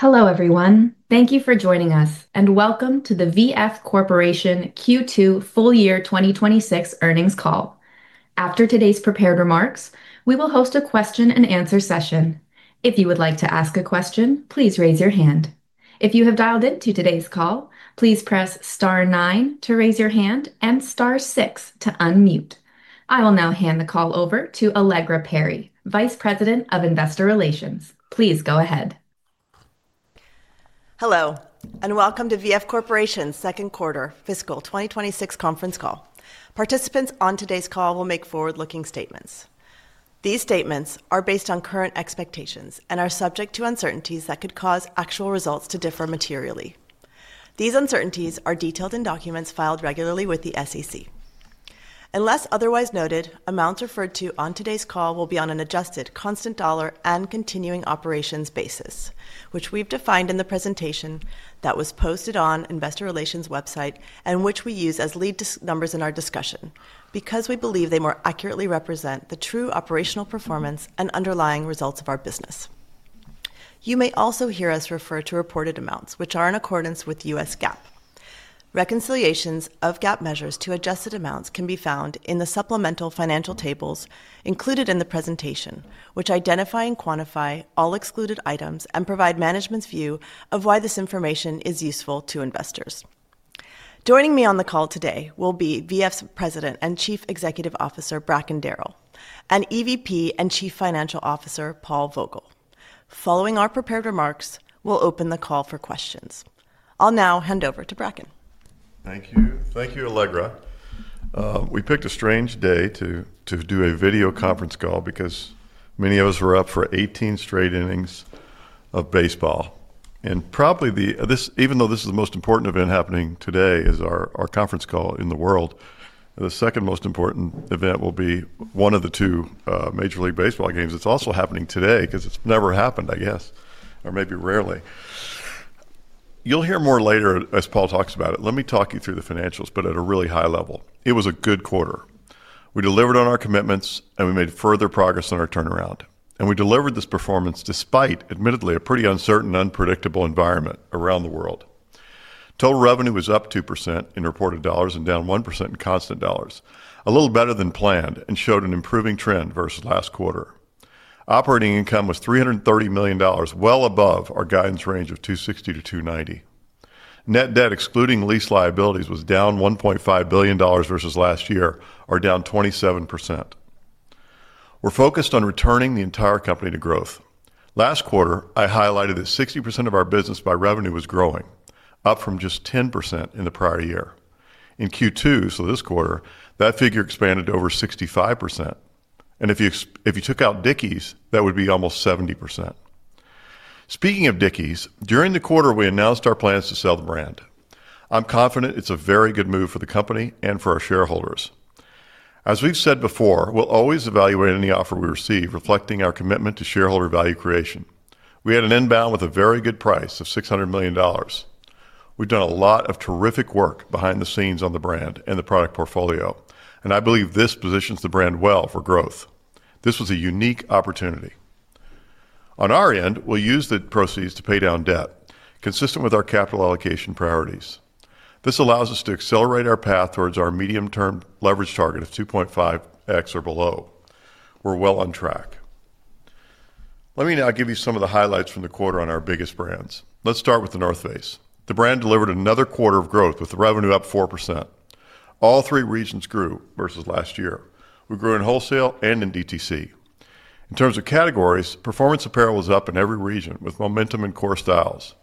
Hello everyone, thank you for joining us and welcome to the VF Corporation Q2 Full Year 2026 Earnings Call. After today's prepared remarks, we will host a question and answer session. If you would like to ask a question, please raise your hand. If you have dialed in to today's call, please press *9 to raise your hand and *6 to unmute. I will now hand the call over to Allegra Perry, Vice President of Investor Relations. Please go ahead. Hello, and Welcome to VF Corporation's Second Quarter Fiscal 2026 conference call. Participants on today's call will make forward-looking statements. These statements are based on current expectations and are subject to uncertainties that could cause actual results to differ materially. These uncertainties are detailed in documents filed regularly with the SEC. Unless otherwise noted, amounts referred to on today's call will be on an adjusted constant dollar and continuing operations basis, which we've defined in the presentation that was posted on the Investor Relations website and which we use as lead numbers in our discussion because we believe they more accurately represent the true operational performance and underlying results of our business. You may also hear us refer to reported amounts, which are in accordance with U.S. GAAP. Reconciliations of GAAP measures to adjusted amounts can be found in the supplemental financial tables included in the presentation, which identify and quantify all excluded items and provide management's view of why this information is useful to investors. Joining me on the call today will be VF's President and Chief Executive Officer, Bracken Darrell, and EVP and Chief Financial Officer, Paul Vogel. Following our prepared remarks, we'll open the call for questions. I'll now hand over to Bracken. Thank you, thank you, Allegra. We picked a strange day to do a video conference call because many of us were up for 18 straight innings of baseball. Probably this, even though this is the most important event happening today, is our conference call in the world. The second most important event will be one of the two Major League Baseball games that's also happening today because it's never happened, I guess, or maybe rarely. You'll hear more later as Paul talks about it. Let me talk you through the financials, but at a really high level, it was a good quarter. We delivered on our commitments and we made further progress on our turnaround. We delivered this performance despite, admittedly, a pretty uncertain, unpredictable environment around the world. Total revenue was up 2% in reported dollars and down 1% in constant dollars, a little better than planned and showed an improving trend versus last quarter. Operating income was $330 million, well above our guidance range of $260 million - $290 million. Net debt, excluding lease liabilities, was down $1.5 billion versus last year, or down 27%. We're focused on returning the entire company to growth. Last quarter, I highlighted that 60% of our business by revenue was growing, up from just 10% in the prior year. In Q2, so this quarter, that figure expanded over 65%. If you took out Dickies, that would be almost 70%. Speaking of Dickies, during the quarter, we announced our plans to sell the brand. I'm confident it's a very good move for the company and for our shareholders. As we've said before, we'll always evaluate any offer we receive, reflecting our commitment to shareholder value creation. We had an inbound with a very good price of $600 million. We've done a lot of terrific work behind the scenes on the brand and the product portfolio, and I believe this positions the brand well for growth. This was a unique opportunity. On our end, we'll use the proceeds to pay down debt, consistent with our capital allocation priorities. This allows us to accelerate our path towards our medium-term leverage target of 2.5x or below. We're well on track. Let me now give you some of the highlights from the quarter on our biggest brands. Let's start with The North Face. The brand delivered another quarter of growth with revenue up 4%. All three regions grew versus last year. We grew in wholesale and in direct-to-consumer. In terms of categories, performance apparel was up in every region with momentum in core styles.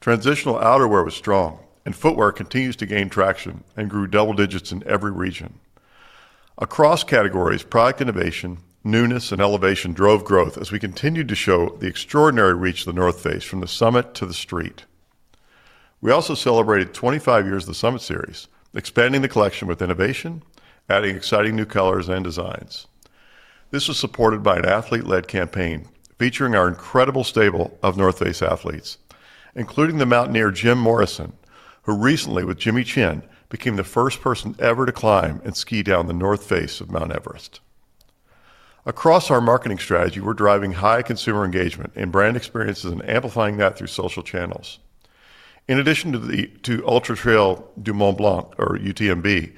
Transitional outerwear was strong, and footwear continues to gain traction and grew double digits in every region. Across categories, product innovation, newness, and elevation drove growth as we continued to show the extraordinary reach of The North Face from the summit to the street. We also celebrated 25 years of the Summit Series, expanding the collection with innovation, adding exciting new colors and designs. This was supported by an athlete-led campaign featuring our incredible stable of The North Face athletes, including the mountaineer Jim Morrison, who recently, with Jimmy Chin, became the first person ever to climb and ski down the North Face of Mount Everest. Across our marketing strategy, we're driving high consumer engagement in brand experiences and amplifying that through social channels. In addition to the Ultra Trail du Mont Blanc, or UTMB,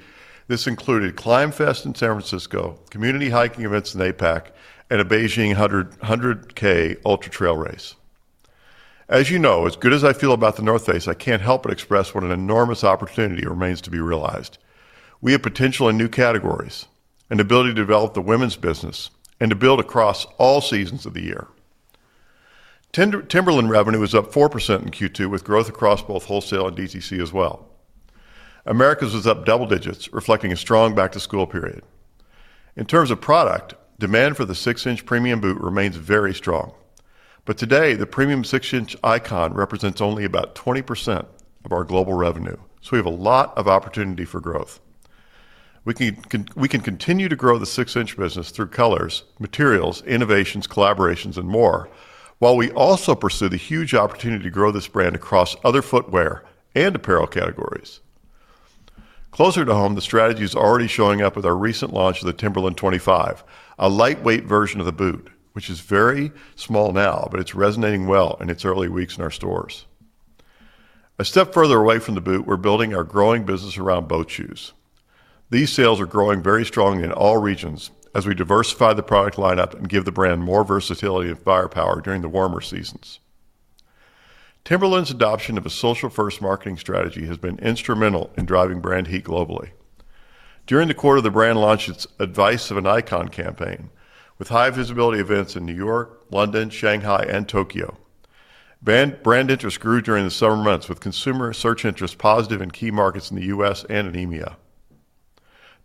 this included ClimbFest in San Francisco, community hiking events in APAC, and a Beijing 100K Ultra Trail race. As you know, as good as I feel about The North Face, I can't help but express what an enormous opportunity remains to be realized. We have potential in new categories, an ability to develop the women's business, and to build across all seasons of the year. Timberland revenue was up 4% in Q2, with growth across both wholesale and direct-to-consumer as well. Americas was up double digits, reflecting a strong back-to-school period. In terms of product, demand for the 6-inch premium boot remains very strong. Today, the premium 6-inch icon represents only about 20% of our global revenue, so we have a lot of opportunity for growth. We can continue to grow the 6-inch business through colors, materials, innovations, collaborations, and more, while we also pursue the huge opportunity to grow this brand across other footwear and apparel categories. Closer to home, the strategy is already showing up with our recent launch of the Timberland 25, a lightweight version of the boot, which is very small now, but it's resonating well in its early weeks in our stores. A step further away from the boot, we're building our growing business around boat shoes. These sales are growing very strongly in all regions as we diversify the product lineup and give the brand more versatility and firepower during the warmer seasons. Timberland's adoption of a social-first marketing strategy has been instrumental in driving brand heat globally. During the quarter, the brand launched its Advice of an Icon campaign with high-visibility events in New York, London, Shanghai, and Tokyo. Brand interest grew during the summer months, with consumer search interest positive in key markets in the U.S. and in India.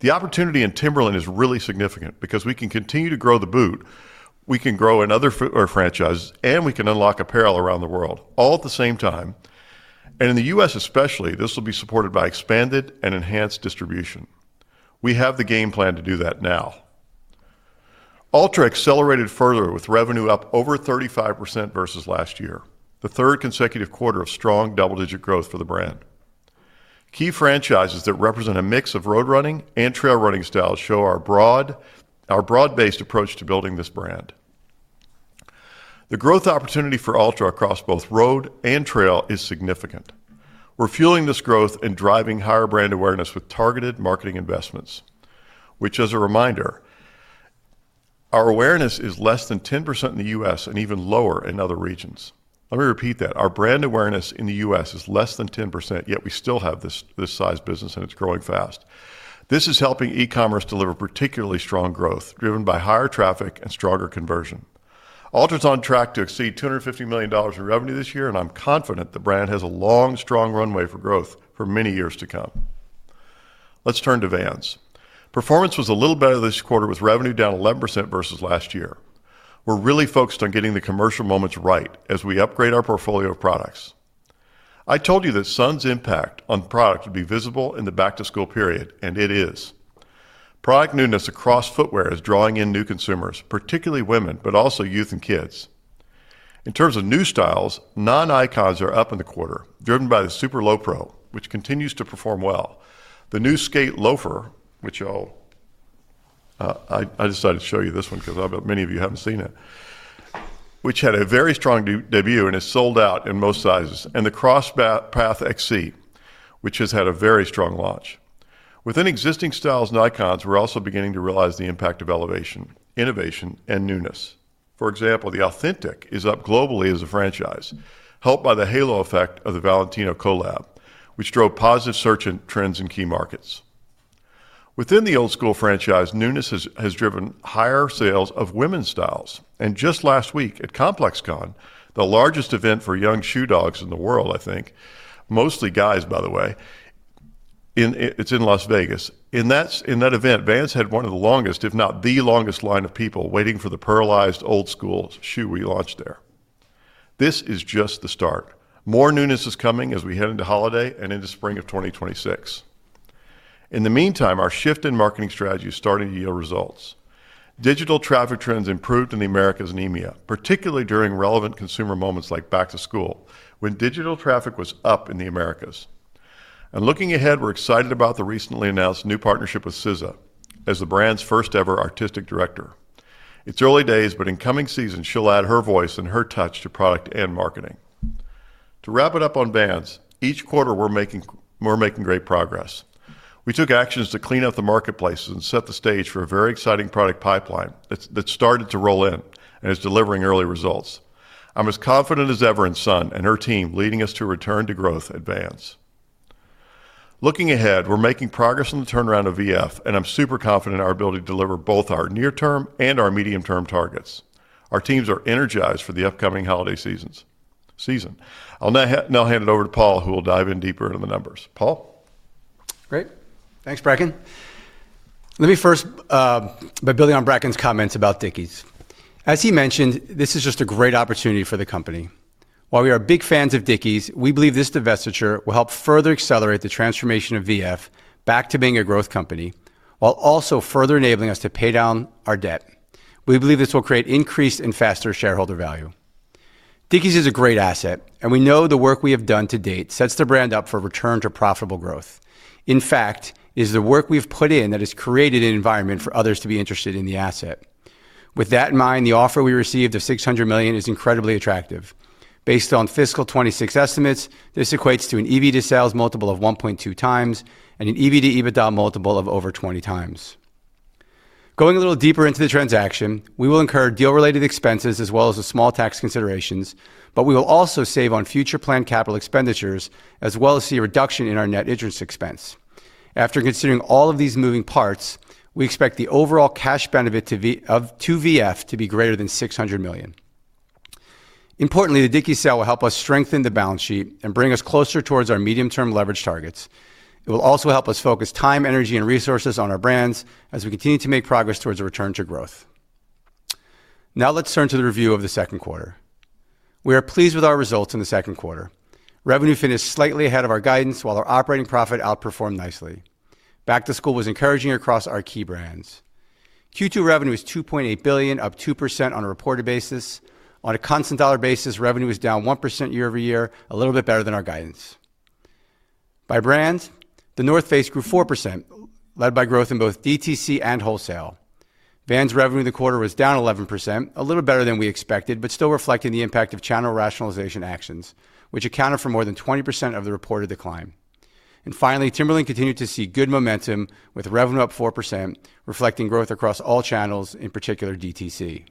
The opportunity in Timberland is really significant because we can continue to grow the boot, we can grow in other footwear franchises, and we can unlock apparel around the world, all at the same time. In the U.S. especially, this will be supported by expanded and enhanced distribution. We have the game plan to do that now. Altra accelerated further with revenue up over 35% versus last year, the third consecutive quarter of strong double-digit growth for the brand. Key franchises that represent a mix of road-running and trail-running styles show our broad-based approach to building this brand. The growth opportunity for Altra across both road and trail is significant. We're fueling this growth and driving higher brand awareness with targeted marketing investments, which, as a reminder, our awareness is less than 10% in the U.S. and even lower in other regions. Let me repeat that. Our brand awareness in the U.S. is less than 10%, yet we still have this size business and it's growing fast. This is helping e-commerce deliver particularly strong growth, driven by higher traffic and stronger conversion. Altra's on track to exceed $250 million in revenue this year, and I'm confident the brand has a long, strong runway for growth for many years to come. Let's turn to Vans. Performance was a little better this quarter with revenue down 11% versus last year. We're really focused on getting the commercial moments right as we upgrade our portfolio of products. I told you that SZA's impact on product would be visible in the back-to-school period, and it is. Product newness across footwear is drawing in new consumers, particularly women, but also youth and kids. In terms of new styles, non-icons are up in the quarter, driven by the Super Lowpro, which continues to perform well. The new Skate Loafer, which I decided to show you this one because I bet many of you haven't seen it, had a very strong debut and is sold out in most sizes, and the Crosspath XC, which has had a very strong launch. Within existing styles and icons, we're also beginning to realize the impact of elevation, innovation, and newness. For example, the Authentic is up globally as a franchise, helped by the halo effect of the Valentino collab, which drove positive search trends in key markets. Within the Old Skool franchise, newness has driven higher sales of women's styles. Just last week at ComplexCon, the largest event for young shoe dogs in the world, mostly guys, by the way, it's in Las Vegas. At that event, Vans had one of the longest, if not the longest, lines of people waiting for the pearlized Old Skool shoe we launched there. This is just the start. More newness is coming as we head into holiday and into spring of 2026. In the meantime, our shift in marketing strategy is starting to yield results. Digital traffic trends improved in the Americas and India, particularly during relevant consumer moments like back to school, when digital traffic was up in the Americas. Looking ahead, we're excited about the recently announced new partnership with SZA as the brand's first-ever Artistic Director. It's early days, but in coming seasons, she'll add her voice and her touch to product and marketing. To wrap it up on Vans, each quarter we're making great progress. We took actions to clean up the marketplaces and set the stage for a very exciting product pipeline that's started to roll in and is delivering early results. I'm as confident as ever in Sun and her team leading us to a return to growth at Vans. Looking ahead, we're making progress on the turnaround of VF, and I'm super confident in our ability to deliver both our near-term and our medium-term targets. Our teams are energized for the upcoming holiday season. I'll now hand it over to Paul, who will dive in deeper into the numbers. Paul? Great. Thanks, Bracken. Let me first, by building on Bracken's comments about Dickies. As he mentioned, this is just a great opportunity for the company. While we are big fans of Dickies, we believe this divestiture will help further accelerate the transformation of VF back to being a growth company, while also further enabling us to pay down our debt. We believe this will create increased and faster shareholder value. Dickies is a great asset, and we know the work we have done to date sets the brand up for return to profitable growth. In fact, it is the work we've put in that has created an environment for others to be interested in the asset. With that in mind, the offer we received of $600 million is incredibly attractive. Based on fiscal 2026 estimates, this equates to an EV to sales multiple of 1.2 times and an EV to EBITDA multiple of over 20 times. Going a little deeper into the transaction, we will incur deal-related expenses as well as the small tax considerations, but we will also save on future planned capital expenditures, as well as see a reduction in our net interest expense. After considering all of these moving parts, we expect the overall cash benefit to VF to be greater than $600 million. Importantly, the Dickies sale will help us strengthen the balance sheet and bring us closer towards our medium-term leverage targets. It will also help us focus time, energy, and resources on our brands as we continue to make progress towards a return to growth. Now let's turn to the review of the second quarter. We are pleased with our results in the second quarter. Revenue finished slightly ahead of our guidance, while our operating profit outperformed nicely. Back to school was encouraging across our key brands. Q2 revenue is $2.8 billion, up 2% on a reported basis. On a constant dollar basis, revenue is down 1% year-over-year, a little bit better than our guidance. By brands, The North Face grew 4%, led by growth in both DTC and wholesale. Vans' revenue in the quarter was down 11%, a little better than we expected, but still reflecting the impact of channel rationalization actions, which accounted for more than 20% of the reported decline. Finally, Timberland continued to see good momentum with revenue up 4%, reflecting growth across all channels, in particular DTC.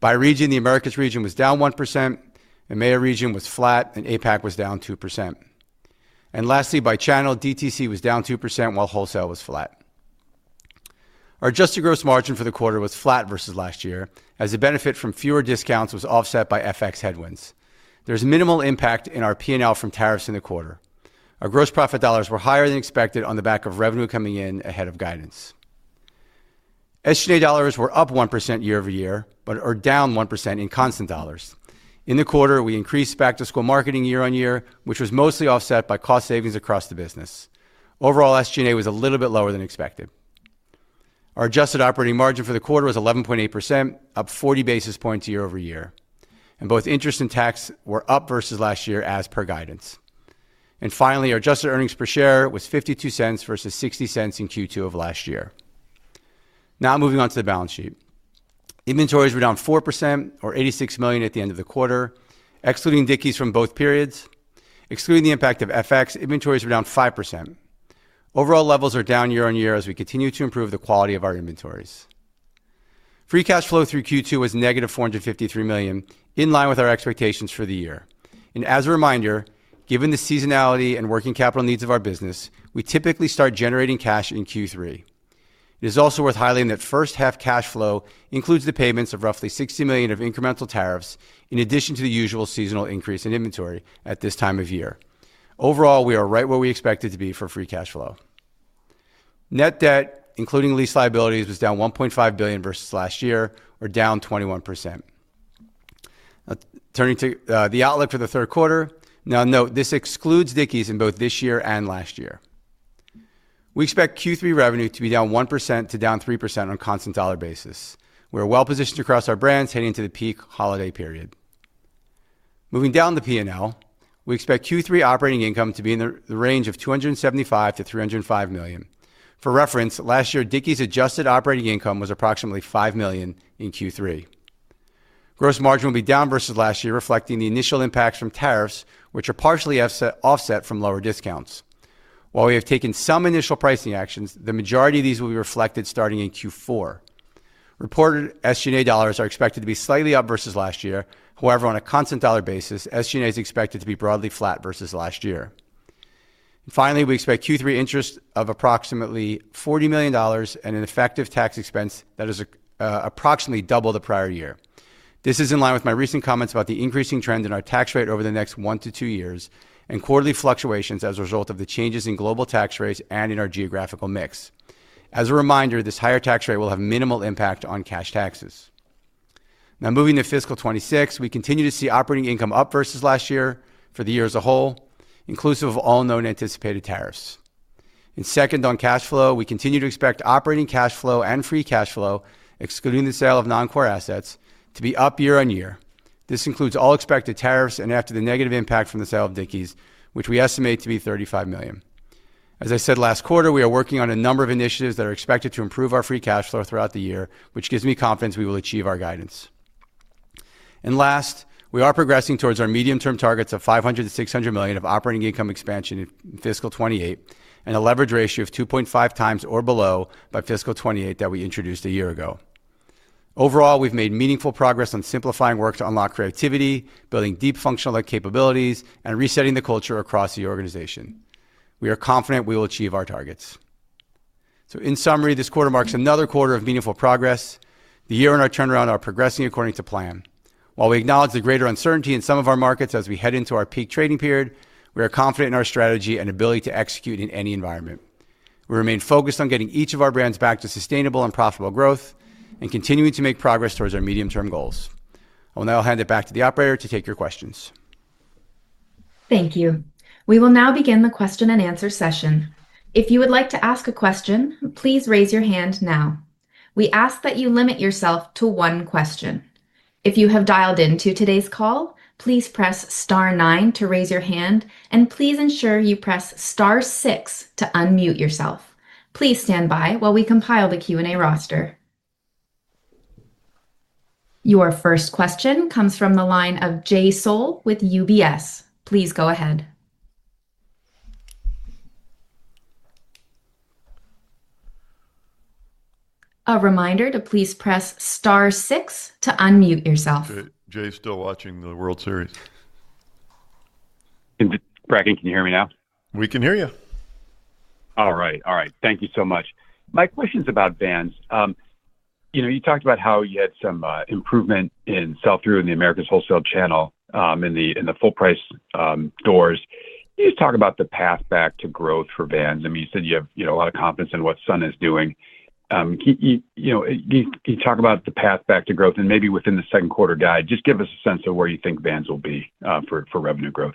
By region, the Americas region was down 1%, the EMEA region was flat, and APAC was down 2%. Lastly, by channel, DTC was down 2%, while wholesale was flat. Our adjusted gross margin for the quarter was flat versus last year, as the benefit from fewer discounts was offset by FX headwinds. There is minimal impact in our P&L from tariffs in the quarter. Our gross profit dollars were higher than expected on the back of revenue coming in ahead of guidance. SG&A dollars were up 1% year-over-year, but are down 1% in constant dollars. In the quarter, we increased back-to-school marketing year on year, which was mostly offset by cost savings across the business. Overall, SG&A was a little bit lower than expected. Our adjusted operating margin for the quarter was 11.8%, up 40 basis points year-over-year. Both interest and tax were up versus last year, as per guidance. Finally, our adjusted earnings per share was $0.52 versus $0.60 in Q2 of last year. Now moving on to the balance sheet. Inventories were down 4%, or $86 million at the end of the quarter, excluding Dickies from both periods. Excluding the impact of FX, inventories were down 5%. Overall levels are down year on year as we continue to improve the quality of our inventories. Free cash flow through Q2 was -$453 million, in line with our expectations for the year. As a reminder, given the seasonality and working capital needs of our business, we typically start generating cash in Q3. It is also worth highlighting that first half cash flow includes the payments of roughly $60 million of incremental tariffs, in addition to the usual seasonal increase in inventory at this time of year. Overall, we are right where we expected to be for free cash flow. Net debt, including lease liabilities, was down $1.5 billion versus last year, or down 21%. Turning to the outlook for the third quarter, note this excludes Dickies in both this year and last year. We expect Q3 revenue to be down 1% to down 3% on a constant dollar basis. We are well positioned across our brands, heading into the peak holiday period. Moving down the P&L, we expect Q3 operating income to be in the range of $275 million - $305 million. For reference, last year, Dickies' adjusted operating income was approximately $5 million in Q3. Gross margin will be down versus last year, reflecting the initial impacts from tariffs, which are partially offset from lower discounts. While we have taken some initial pricing actions, the majority of these will be reflected starting in Q4. Reported SG&A dollars are expected to be slightly up versus last year. However, on a constant dollar basis, SG&A is expected to be broadly flat versus last year. Finally, we expect Q3 interest of approximately $40 million and an effective tax expense that is approximately double the prior year. This is in line with my recent comments about the increasing trend in our tax rate over the next one to two years and quarterly fluctuations as a result of the changes in global tax rates and in our geographical mix. As a reminder, this higher tax rate will have minimal impact on cash taxes. Now moving to fiscal 2026, we continue to see operating income up versus last year for the year as a whole, inclusive of all known anticipated tariffs. Second, on cash flow, we continue to expect operating cash flow and free cash flow, excluding the sale of non-core assets, to be up year on year. This includes all expected tariffs and after the negative impact from the sale of Dickies, which we estimate to be $35 million. As I said last quarter, we are working on a number of initiatives that are expected to improve our free cash flow throughout the year, which gives me confidence we will achieve our guidance. Last, we are progressing towards our medium-term targets of $500 million - $600 million of operating income expansion in fiscal 2028, and a leverage ratio of 2.5 times or below by fiscal 2028 that we introduced a year ago. Overall, we've made meaningful progress on simplifying work to unlock creativity, building deep functional capabilities, and resetting the culture across the organization. We are confident we will achieve our targets. In summary, this quarter marks another quarter of meaningful progress. The year and our turnaround are progressing according to plan. While we acknowledge the greater uncertainty in some of our markets as we head into our peak trading period, we are confident in our strategy and ability to execute in any environment. We remain focused on getting each of our brands back to sustainable and profitable growth and continuing to make progress towards our medium-term goals. I will now hand it back to the operator to take your questions. Thank you. We will now begin the question and answer session. If you would like to ask a question, please raise your hand now. We ask that you limit yourself to one question. If you have dialed in to today's call, please press *9 to raise your hand, and please ensure you press *6 to unmute yourself. Please stand by while we compile the Q&A roster. Your first question comes from the line of Jay Sole with UBS. Please go ahead. A reminder to please press *6 to unmute yourself. Jay's still watching the World Series. Bracken, can you hear me now? We can hear you. All right. Thank you so much. My question's about Vans. You talked about how you had some improvement in sell-through in the Americas wholesale channel in the full-price doors. Can you just talk about the path back to growth for Vans? I mean, you said you have a lot of confidence in what Sun is doing. Can you talk about the path back to growth and maybe within the second quarter guide? Just give us a sense of where you think Vans will be for revenue growth.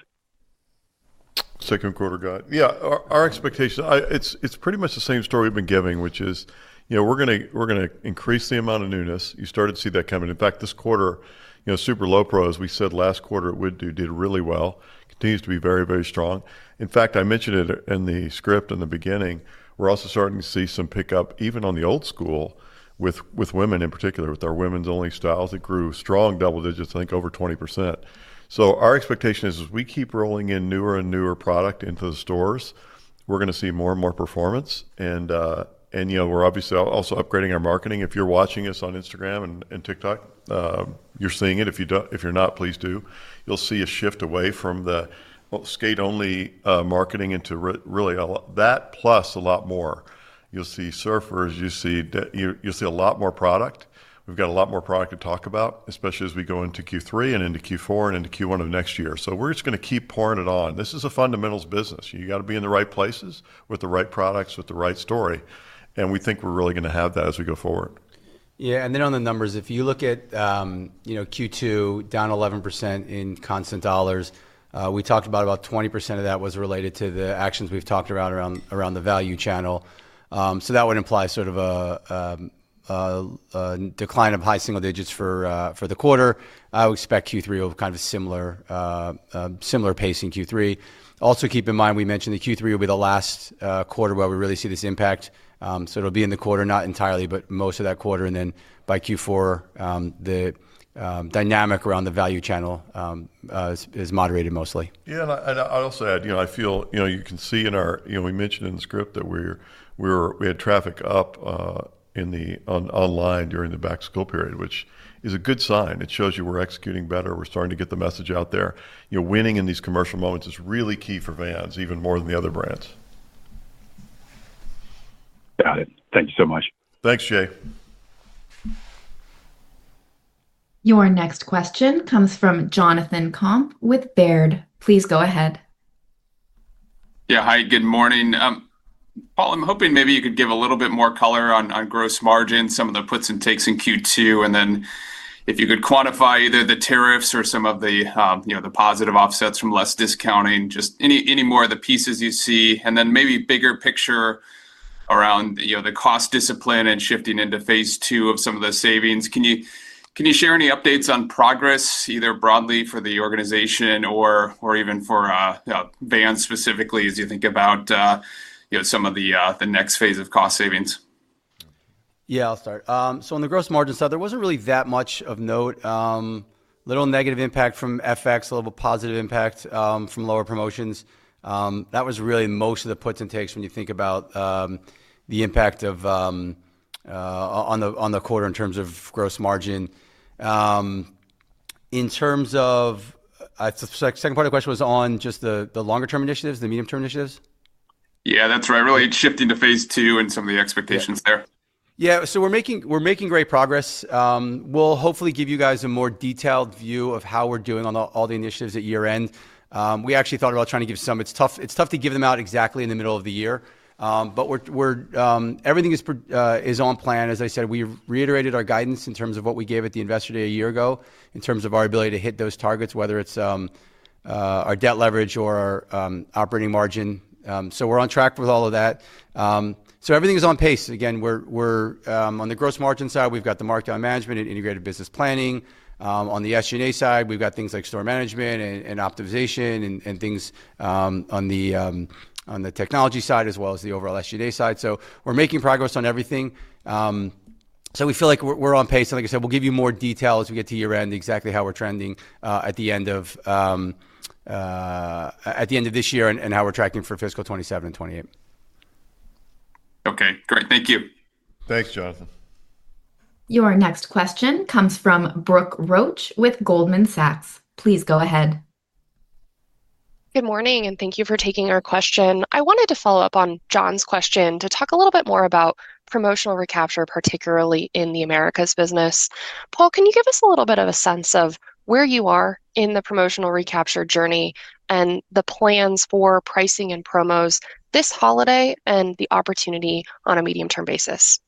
Second quarter guide. Yeah, our expectation, it's pretty much the same story we've been giving, which is, you know, we're going to increase the amount of newness. You started to see that coming. In fact, this quarter, you know, Super Lowpro, as we said last quarter, it did really well, continues to be very, very strong. In fact, I mentioned it in the script in the beginning, we're also starting to see some pickup even on the Old Skool with women in particular, with our women's only styles that grew strong double digits, I think over 20%. Our expectation is, as we keep rolling in newer and newer product into the stores, we're going to see more and more performance. We're obviously also upgrading our marketing. If you're watching us on Instagram and TikTok, you're seeing it. If you're not, please do. You'll see a shift away from the skate-only marketing into really that plus a lot more. You'll see surfers, you'll see a lot more product. We've got a lot more product to talk about, especially as we go into Q3 and into Q4 and into Q1 of next year. We're just going to keep pouring it on. This is a fundamentals business. You've got to be in the right places with the right products, with the right story. We think we're really going to have that as we go forward. Yeah, and then on the numbers, if you look at Q2 down 11% in constant dollars, we talked about about 20% of that was related to the actions we've talked about around the value channel. That would imply sort of a decline of high single digits for the quarter. I would expect Q3 will have kind of a similar pace in Q3. Also, keep in mind we mentioned that Q3 will be the last quarter where we really see this impact. It'll be in the quarter, not entirely, but most of that quarter. By Q4, the dynamic around the value channel is moderated mostly. I'd also add, you can see in our, we mentioned in the script that we had traffic up online during the back-to-school period, which is a good sign. It shows you we're executing better, we're starting to get the message out there. Winning in these commercial moments is really key for Vans, even more than the other brands. Got it. Thank you so much. Thanks, Jay. Your next question comes from Jonathan Komp with Baird. Please go ahead. Yeah, hi, good morning. Paul, I'm hoping maybe you could give a little bit more color on gross margins, some of the puts and takes in Q2. If you could quantify either the tariffs or some of the positive offsets from less discounting, just any more of the pieces you see, maybe bigger picture around the cost discipline and shifting into phase two of some of the savings. Can you share any updates on progress, either broadly for the organization or even for Vans specifically, as you think about some of the next phase of cost savings? I'll start. On the gross margin side, there wasn't really that much of note. A little negative impact from FX, a little positive impact from lower promotions. That was really most of the puts and takes when you think about the impact on the quarter in terms of gross margin. I suspect the second part of the question was on just the longer-term initiatives, the medium-term initiatives? Yeah, that's right. Really shifting to phase two and some of the expectations there. Yeah, we're making great progress. We'll hopefully give you guys a more detailed view of how we're doing on all the initiatives at year-end. We actually thought about trying to give some. It's tough to give them out exactly in the middle of the year. Everything is on plan. As I said, we reiterated our guidance in terms of what we gave at the Investor Day a year ago in terms of our ability to hit those targets, whether it's our debt leverage or our operating margin. We're on track with all of that. Everything is on pace. Again, on the gross margin side, we've got the markdown management and integrated business planning. On the SG&A side, we've got things like store management and optimization and things on the technology side as well as the overall SG&A side. We're making progress on everything. We feel like we're on pace. Like I said, we'll give you more detail as we get to year-end exactly how we're trending at the end of this year and how we're tracking for fiscal 2027 and 2028. Okay, great. Thank you. Thanks, Jonathan. Your next question comes from Brooke Roach with Goldman Sachs. Please go ahead. Good morning, and thank you for taking our question. I wanted to follow up on John's question to talk a little bit more about promotional recapture, particularly in the Americas business. Paul, can you give us a little bit of a sense of where you are in the promotional recapture journey and the plans for pricing and promos this holiday and the opportunity on a medium-term basis?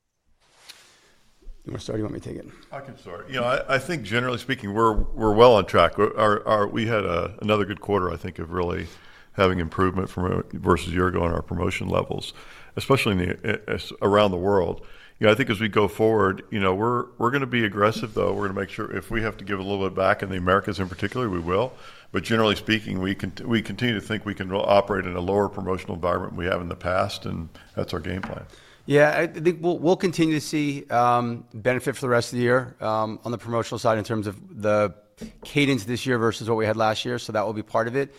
You want to start, or you want me to take it? I can start. I think generally speaking, we're well on track. We had another good quarter, I think, of really having improvement versus a year ago on our promotion levels, especially around the world. I think as we go forward, we're going to be aggressive, though. We're going to make sure if we have to give a little bit back in the Americas in particular, we will. Generally speaking, we continue to think we can operate in a lower promotional environment than we have in the past, and that's our game plan. Yeah, I think we'll continue to see benefits for the rest of the year on the promotional side in terms of the cadence this year versus what we had last year. That will be part of it.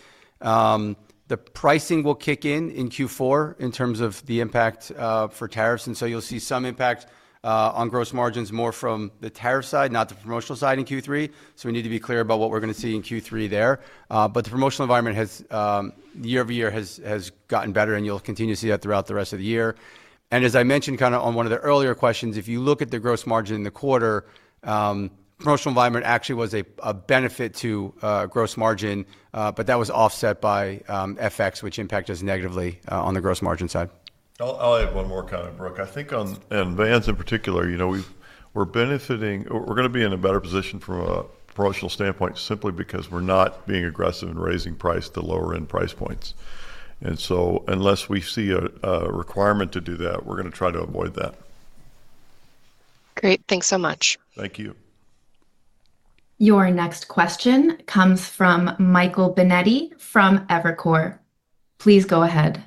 The pricing will kick in in Q4 in terms of the impact for tariffs, and you'll see some impact on gross margins more from the tariff side, not the promotional side, in Q3. We need to be clear about what we're going to see in Q3 there. The promotional environment year over year has gotten better, and you'll continue to see that throughout the rest of the year. As I mentioned on one of the earlier questions, if you look at the gross margin in the quarter, the promotional environment actually was a benefit to gross margin, but that was offset by FX, which impacted us negatively on the gross margin side. I'll add one more comment, Brooke. I think on Vans in particular, you know, we're benefiting, or we're going to be in a better position from a promotional standpoint simply because we're not being aggressive in raising price to lower end price points. Unless we see a requirement to do that, we're going to try to avoid that. Great, thanks so much. Thank you. Your next question comes from Michael Binetti from Evercore. Please go ahead.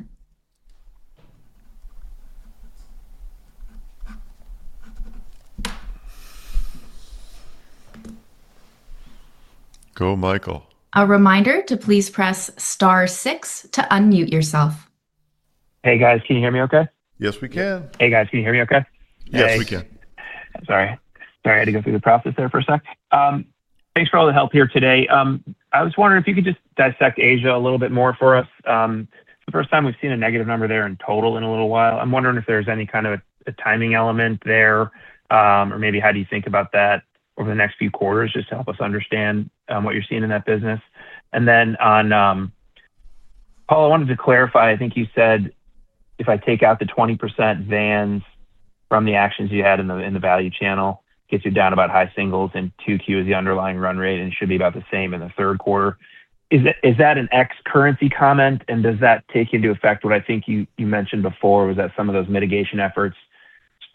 Go, Michael. A reminder to please press *6 to unmute yourself. Hey guys, can you hear me okay? Yes, we can. Hey guys, can you hear me okay? Yes, we can. Sorry, I had to go through the process there for a sec. Thanks for all the help here today. I was wondering if you could just dissect Asia a little bit more for us. It's the first time we've seen a negative number there in total in a little while. I'm wondering if there's any kind of a timing element there, or maybe how do you think about that over the next few quarters just to help us understand what you're seeing in that business? On Paul, I wanted to clarify, I think you said if I take out the 20% Vans from the actions you had in the value channel, it gets you down about high singles and 2Q is the underlying run rate and should be about the same in the third quarter. Is that an ex-currency comment and does that take into effect what I think you mentioned before was that some of those mitigation efforts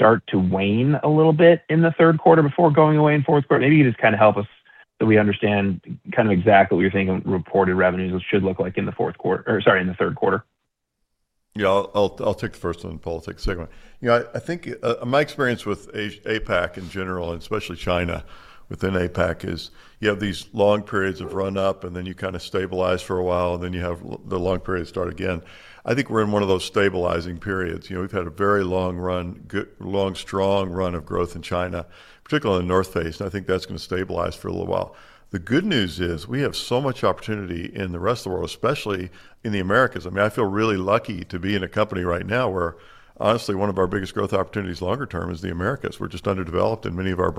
start to wane a little bit in the third quarter before going away in the fourth quarter? Maybe you could just help us so we understand exactly what you're thinking of reported revenues should look like in the fourth quarter, or in the third quarter. Yeah, I'll take the first one in politics. Second one, I think my experience with APAC in general, and especially China within APAC, is you have these long periods of run-up and then you kind of stabilize for a while and then you have the long periods start again. I think we're in one of those stabilizing periods. We've had a very long, strong run of growth in China, particularly on The North Face, and I think that's going to stabilize for a little while. The good news is we have so much opportunity in the rest of the world, especially in the Americas. I mean, I feel really lucky to be in a company right now where honestly one of our biggest growth opportunities longer term is the Americas. We're just underdeveloped in many of our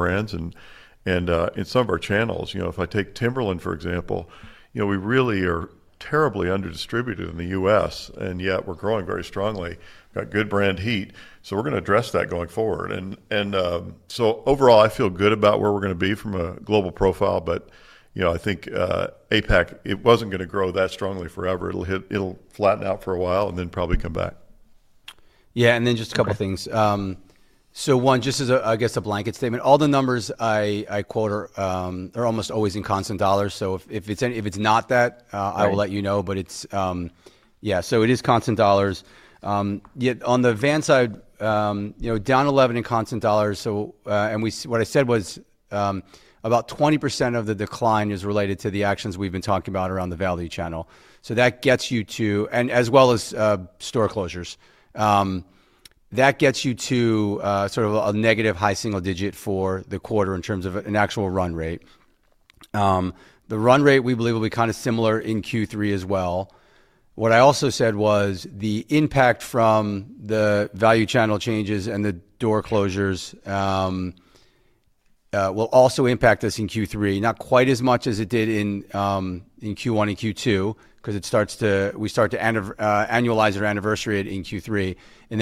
brands and in some of our channels. If I take Timberland, for example, we really are terribly under-distributed in the U.S. and yet we're growing very strongly. We've got good brand heat. We're going to address that going forward. Overall, I feel good about where we're going to be from a global profile, but I think APAC, it wasn't going to grow that strongly forever. It'll flatten out for a while and then probably come back. Yeah, just a couple of things. One, just as a blanket statement, all the numbers I quote are almost always in constant dollars. If it's not that, I will let you know, but it is constant dollars. Yet on the Vans side, down 11% in constant dollars. What I said was about 20% of the decline is related to the actions we've been talking about around the value channel. That gets you to, as well as store closures, sort of a negative high single digit for the quarter in terms of an actual run rate. The run rate we believe will be kind of similar in Q3 as well. What I also said was the impact from the value channel changes and the door closures will also impact us in Q3, not quite as much as it did in Q1 and Q2 because we start to annualize our anniversary in Q3.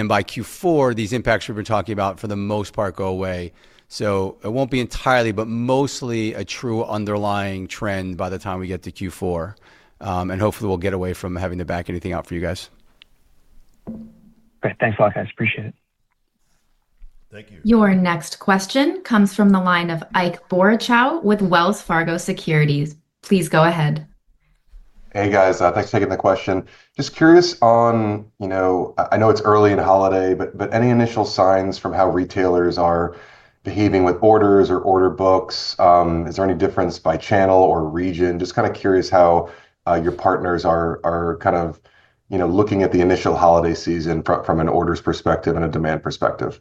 By Q4, these impacts we've been talking about for the most part go away. It won't be entirely, but mostly a true underlying trend by the time we get to Q4. Hopefully, we'll get away from having to back anything out for you guys. Great, thanks a lot, guys. Appreciate it. Thank you. Your next question comes from the line of Ike Boruchow with Wells Fargo Securities. Please go ahead. Hey guys, thanks for taking the question. I know it's early in the holiday, but any initial signs from how retailers are behaving with orders or order books? Is there any difference by channel or region? I'm curious how your partners are looking at the initial holiday season from an orders perspective and a demand perspective.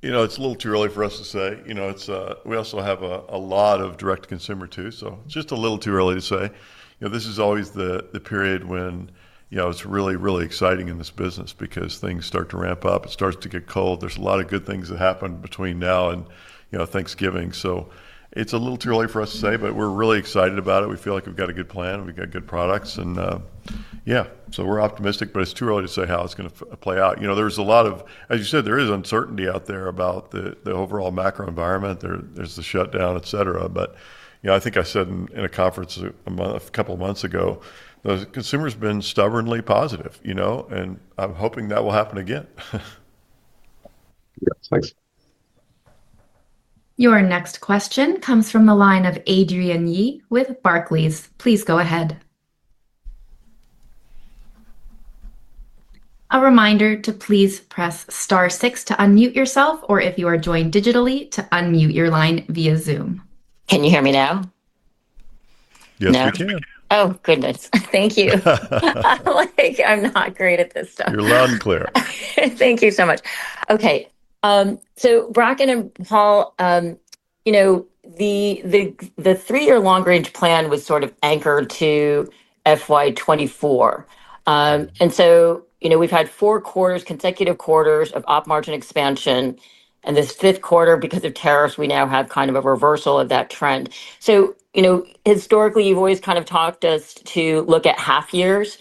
It's a little too early for us to say. We also have a lot of direct-to-consumer too, so it's just a little too early to say. This is always the period when it's really, really exciting in this business because things start to ramp up. It starts to get cold. There are a lot of good things that happen between now and Thanksgiving. It's a little too early for us to say, but we're really excited about it. We feel like we've got a good plan. We've got good products. We're optimistic, but it's too early to say how it's going to play out. There is uncertainty out there about the overall macro environment. There's the shutdown, etc. I think I said in a conference a couple of months ago, the consumer's been stubbornly positive, and I'm hoping that will happen again. Yeah, thanks. Your next question comes from the line of Adrienne Yih with Barclays. Please go ahead. A reminder to please press *6 to unmute yourself or if you are joined digitally to unmute your line via Zoom. Can you hear me now? Yes, we can. Oh, goodness. Thank you. I'm not great at this stuff. You're loud and clear. Thank you so much. Okay. Bracken and Paul, you know, the three-year long-range plan was sort of anchored to FY 2024. You know, we've had four consecutive quarters of op-margin expansion. This fifth quarter, because of tariffs, we now have kind of a reversal of that trend. Historically, you've always kind of talked us to look at half years.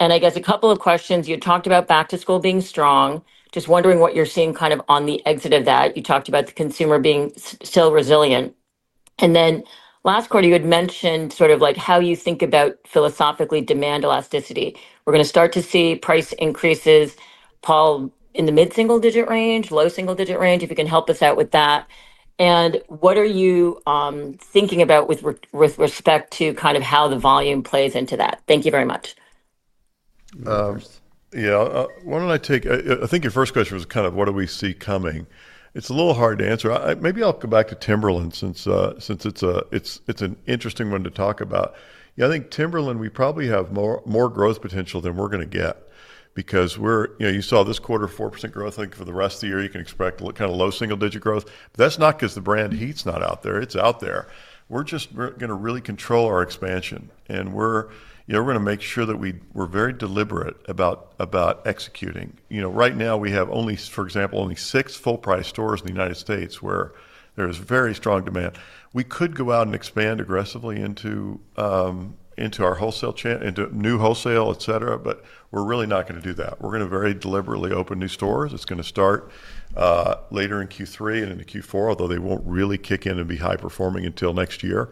I guess a couple of questions. You had talked about back-to-school being strong, just wondering what you're seeing kind of on the exit of that. You talked about the consumer being still resilient. Last quarter, you had mentioned sort of like how you think about philosophically demand elasticity. We're going to start to see price increases, Paul, in the mid-single-digit range, low-single-digit range, if you can help us out with that. What are you thinking about with respect to kind of how the volume plays into that? Thank you very much. Yeah, why don't I take, I think your first question was kind of what do we see coming? It's a little hard to answer. Maybe I'll go back to Timberland since it's an interesting one to talk about. I think Timberland, we probably have more growth potential than we're going to get because we're, you know, you saw this quarter 4% growth. I think for the rest of the year, you can expect kind of low single-digit growth. That's not because the brand heat's not out there. It's out there. We're just going to really control our expansion. We're going to make sure that we're very deliberate about executing. Right now we have only, for example, only six full-price stores in the United States where there is very strong demand. We could go out and expand aggressively into our wholesale channel, into new wholesale, etc., but we're really not going to do that. We're going to very deliberately open new stores. It's going to start later in Q3 and into Q4, although they won't really kick in and be high performing until next year.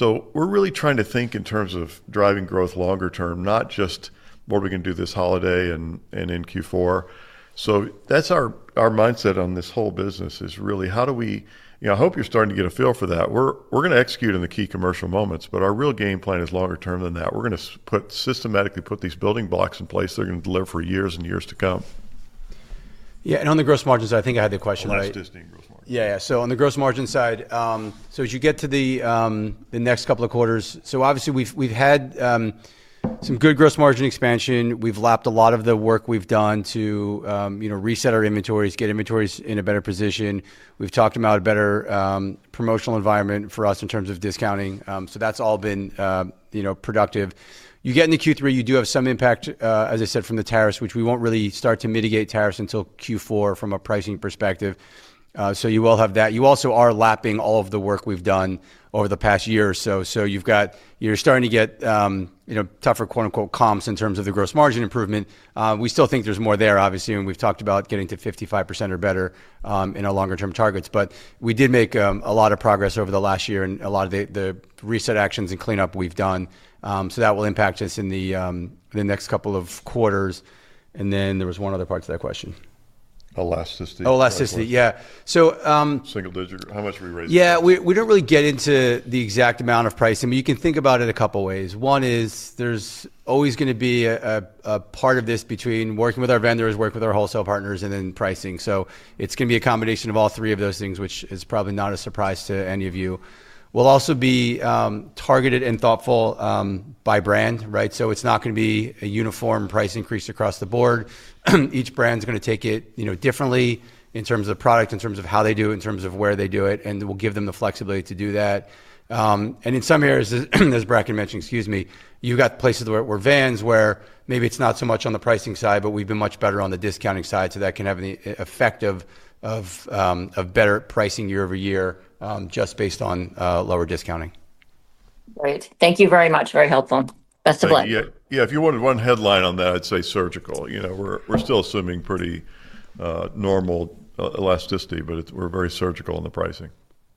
We're really trying to think in terms of driving growth longer term, not just what are we going to do this holiday and in Q4. That's our mindset on this whole business, really how do we, you know, I hope you're starting to get a feel for that. We're going to execute in the key commercial moments, but our real game plan is longer term than that. We're going to systematically put these building blocks in place. They're going to deliver for years and years to come. Yeah, on the gross margin side, I think I had the question, right? Yeah, on the gross margin side, as you get to the next couple of quarters, obviously we've had some good gross margin expansion. We've lapped a lot of the work we've done to reset our inventories, get inventories in a better position. We've talked about a better promotional environment for us in terms of discounting. That's all been productive. You get into Q3, you do have some impact, as I said, from the tariffs, which we won't really start to mitigate until Q4 from a pricing perspective. You will have that. You also are lapping all of the work we've done over the past year or so. You're starting to get tougher, quote unquote, comps in terms of the gross margin improvement. We still think there's more there, obviously, and we've talked about getting to 55% or better in our longer term targets. We did make a lot of progress over the last year and a lot of the reset actions and cleanup we've done. That will impact us in the next couple of quarters. There was one other part to that question. Elasticity. Elasticity, yeah. Single digit, how much are we raising? Yeah, we don't really get into the exact amount of pricing. You can think about it a couple of ways. One is there's always going to be a part of this between working with our vendors, working with our wholesale partners, and then pricing. It's going to be a combination of all three of those things, which is probably not a surprise to any of you. We'll also be targeted and thoughtful by brand, right? It's not going to be a uniform price increase across the board. Each brand is going to take it differently in terms of the product, in terms of how they do it, in terms of where they do it, and we'll give them the flexibility to do that. In some areas, as Bracken mentioned, you've got places where Vans, where maybe it's not so much on the pricing side, but we've been much better on the discounting side. That can have the effect of better pricing year-over-year just based on lower discounting. Great. Thank you very much. Very helpful. Best of luck. Yeah, if you wanted one headline on that, I'd say surgical. We're still assuming pretty normal elasticity, but we're very surgical in the pricing.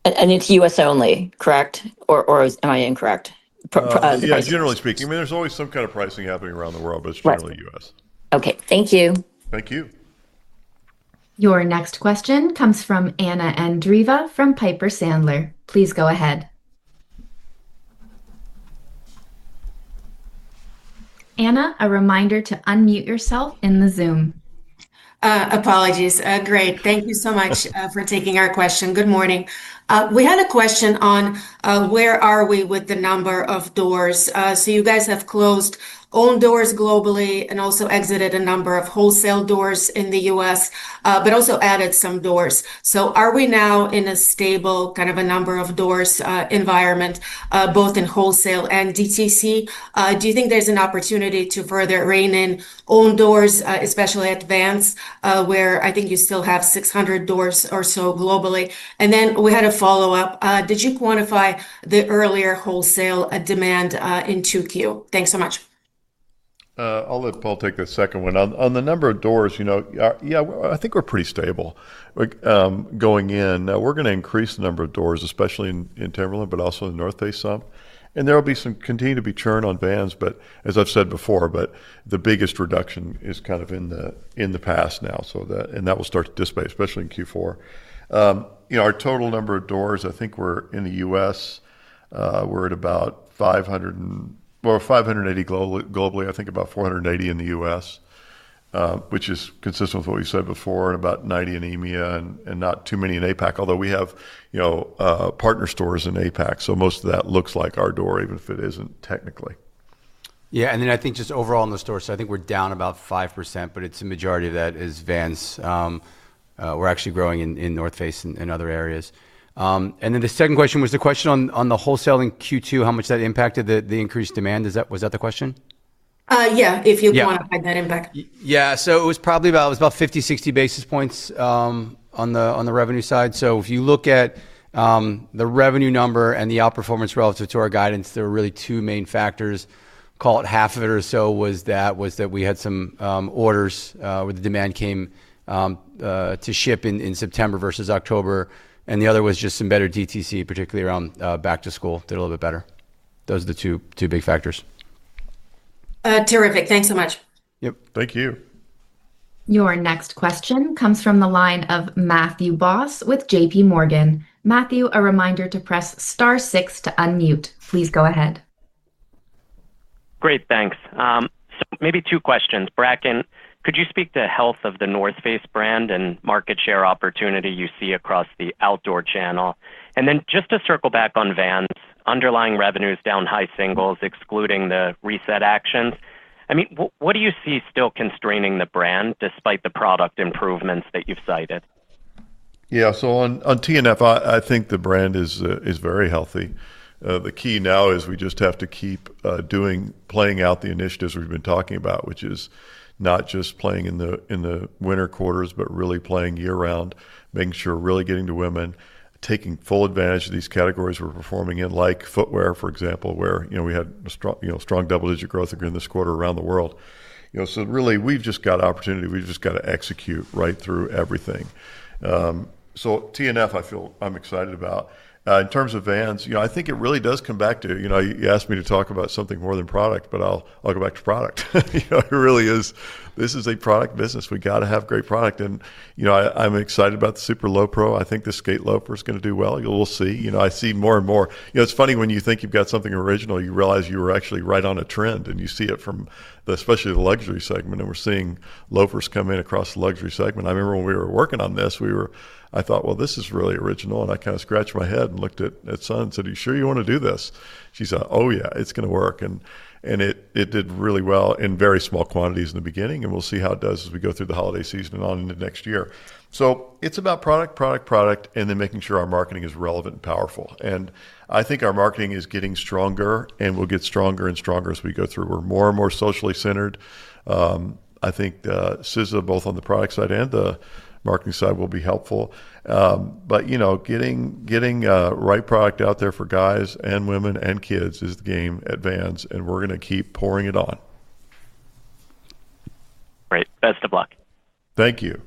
It is U.S. only, correct? Or am I incorrect? Yeah, generally speaking, there's always some kind of pricing happening around the world, but it's generally U.S. Okay, thank you. Thank you. Your next question comes from Anna Andreeva from Piper Sandler. Please go ahead. Anna, a reminder to unmute yourself in the Zoom. Apologies. Great. Thank you so much for taking our question. Good morning. We had a question on where are we with the number of doors. You guys have closed own doors globally and also exited a number of wholesale doors in the U.S., but also added some doors. Are we now in a stable kind of a number of doors environment, both in wholesale and direct-to-consumer? Do you think there's an opportunity to further rein in own doors, especially at Vans, where I think you still have 600 doors or so globally? We had a follow-up. Did you quantify the earlier wholesale demand in 2Q? Thanks so much. I'll let Paul take the second one. On the number of doors, I think we're pretty stable going in. We're going to increase the number of doors, especially in Timberland, but also in The North Face some. There will continue to be churn on Vans, but as I've said before, the biggest reduction is kind of in the past now. That will start to dissipate, especially in Q4. Our total number of doors, I think we're in the U.S., we're at about 500, well, 580 globally, I think about 480 in the U.S., which is consistent with what we said before, and about 90 in EMEA and not too many in APAC, although we have partner stores in APAC. Most of that looks like our door, even if it isn't technically. Yeah, I think just overall in the stores, we're down about 5%, but a majority of that is Vans. We're actually growing in The North Face and other areas. The second question was the question on the wholesale in Q2, how much that impacted the increased demand. Was that the question? Yeah, if you quantified that impact. It was about 50 - 60 basis points on the revenue side. If you look at the revenue number and the outperformance relative to our guidance, there are really two main factors. Call it half of it or so was that we had some orders where the demand came to ship in September versus October, and the other was just some better direct-to-consumer, particularly around back to school, did a little bit better. Those are the two big factors. Terrific. Thanks so much. Thank you. Your next question comes from the line of Matthew Boss with JPMorgan Chase & Co. Matthew, a reminder to press *6 to unmute. Please go ahead. Great, thanks. Maybe two questions. Bracken, could you speak to the health of The North Face brand and market share opportunity you see across the outdoor channel? To circle back on Vans, underlying revenues down high singles, excluding the reset actions. What do you see still constraining the brand despite the product improvements that you've cited? Yeah, on The North Face, I think the brand is very healthy. The key now is we just have to keep playing out the initiatives we've been talking about, which is not just playing in the winter quarters, but really playing year-round, making sure we're really getting to women, taking full advantage of these categories we're performing in, like footwear, for example, where we had strong double-digit growth again this quarter around the world. We have opportunity. We've just got to execute right through everything. The North Face, I feel I'm excited about. In terms of Vans, I think it really does come back to, you asked me to talk about something more than product, but I'll go back to product. It really is, this is a product business. We've got to have great product. I'm excited about the Super Lowpro. I think the Skate Loafer is going to do well. You'll see, I see more and more. It's funny when you think you've got something original, you realize you were actually right on a trend and you see it from especially the luxury segment. We're seeing loafers come in across the luxury segment. I remember when we were working on this, I thought, this is really original. I kind of scratched my head and looked at SZA and said, are you sure you want to do this? She's like, oh yeah, it's going to work. It did really well in very small quantities in the beginning. We'll see how it does as we go through the holiday season and on into next year. It's about product, product, product, and then making sure our marketing is relevant and powerful. I think our marketing is getting stronger and will get stronger and stronger as we go through. We're more and more socially centered. I think SZA, both on the product side and the marketing side, will be helpful. Getting the right product out there for guys and women and kids is the game at Vans. We're going to keep pouring it on. Great. Best of luck. Thank you.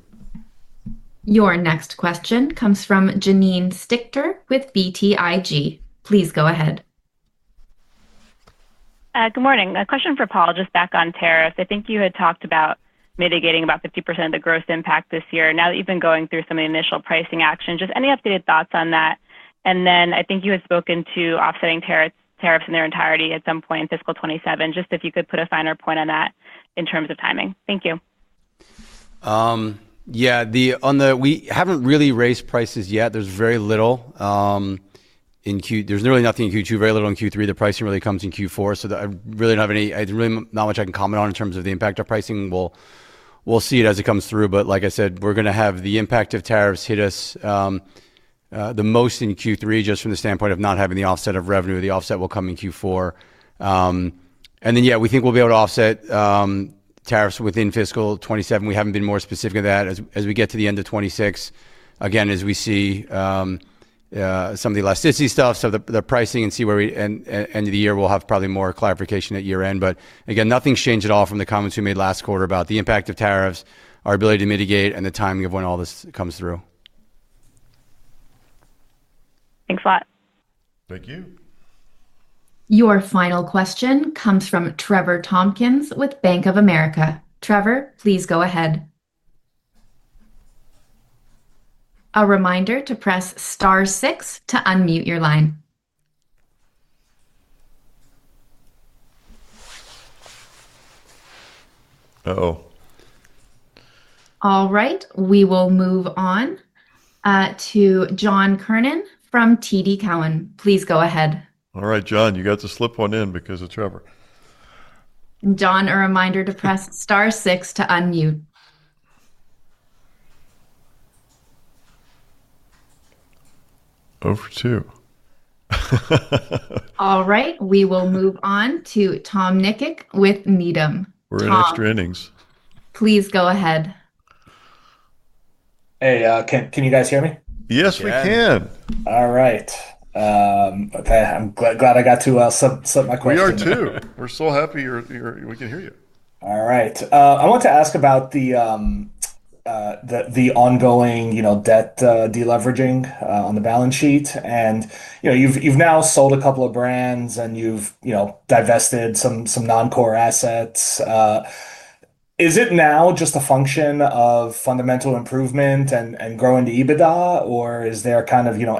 Your next question comes from Janine Stichter with BTIG. Please go ahead. Good morning. A question for Paul, just back on tariffs. I think you had talked about mitigating about 50% of the gross impact this year. Now that you've been going through some of the initial pricing actions, just any updated thoughts on that? I think you had spoken to offsetting tariffs in their entirety at some point in fiscal 2027. If you could put a finer point on that in terms of timing. Thank you. We haven't really raised prices yet. There's very little in Q2, really nothing in Q2, very little in Q3. The pricing really comes in Q4. I really don't have any, not much I can comment on in terms of the impact of pricing. We'll see it as it comes through. Like I said, we're going to have the impact of tariffs hit us the most in Q3, just from the standpoint of not having the offset of revenue. The offset will come in Q4. We think we'll be able to offset tariffs within fiscal 2027. We haven't been more specific than that as we get to the end of 2026. As we see some of the elasticity stuff, the pricing, and see where we end the year, we'll have probably more clarification at year-end. Nothing's changed at all from the comments we made last quarter about the impact of tariffs, our ability to mitigate, and the timing of when all this comes through. Thanks a lot. Thank you. Your final question comes from Trevor Tompkins with Bank of America. Trevor, please go ahead. A reminder to press *6 to unmute your line. Uh-oh. All right, we will move on to John Kernan from TD Cowen. Please go ahead. All right, John, you got to slip one in because of Trevor. John, a reminder to press *6 to unmute. Over two. All right, we will move on to Tom Nikic with Needham. We're in restrainings. Please go ahead. Hey, can you guys hear me? Yes, we can. All right. Okay, I'm glad I got to set my question. You are too. We're so happy we can hear you. All right. I want to ask about the ongoing debt deleveraging on the balance sheet. You've now sold a couple of brands and you've divested some non-core assets. Is it now just a function of fundamental improvement and growing the EBITDA, or is there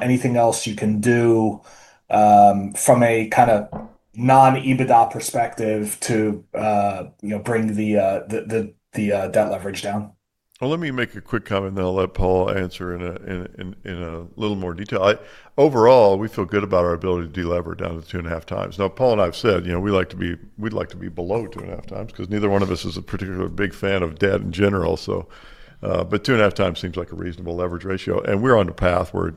anything else you can do from a non-EBITDA perspective to bring the debt leverage down? Let me make a quick comment, and then I'll let Paul answer in a little more detail. Overall, we feel good about our ability to deleverage down to 2.5 times. Now, Paul and I have said, you know, we'd like to be below 2.5 times because neither one of us is a particular big fan of debt in general. 2.5 times seems like a reasonable leverage ratio, and we're on the path where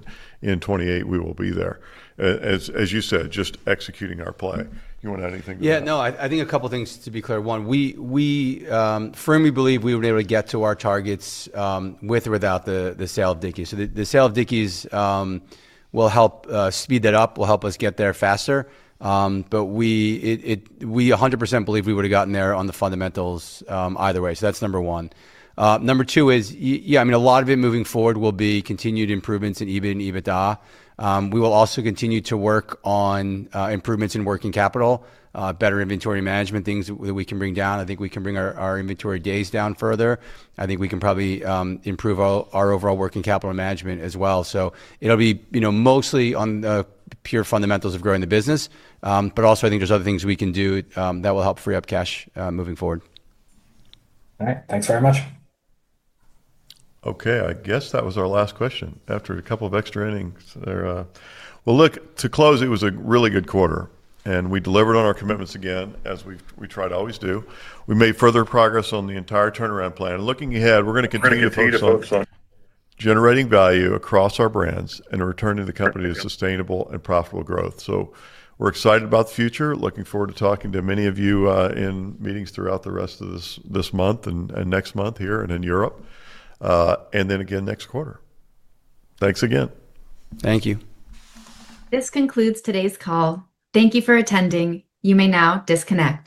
in 2028, we will be there. As you said, just executing our play. You want to add anything? Yeah, no, I think a couple of things to be clear. One, we firmly believe we were able to get to our targets with or without the sale of Dickies. The sale of Dickies will help speed that up, will help us get there faster. We 100% believe we would have gotten there on the fundamentals either way. That's number one. Number two is, yeah, I mean, a lot of it moving forward will be continued improvements in EBIT and EBITDA. We will also continue to work on improvements in working capital, better inventory management, things that we can bring down. I think we can bring our inventory days down further. I think we can probably improve our overall working capital management as well. It will be, you know, mostly on the pure fundamentals of growing the business. I think there's other things we can do that will help free up cash moving forward. All right, thanks very much. Okay, I guess that was our last question after a couple of extra innings. To close, it was a really good quarter, and we delivered on our commitments again, as we try to always do. We made further progress on the entire turnaround plan. Looking ahead, we're going to continue to focus on generating value across our brands and returning the company to sustainable and profitable growth. We're excited about the future and looking forward to talking to many of you in meetings throughout the rest of this month and next month here and in Europe, and then again next quarter. Thanks again. Thank you. This concludes today's call. Thank you for attending. You may now disconnect.